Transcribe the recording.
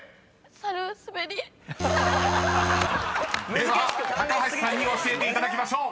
［では高橋さんに教えていただきましょう］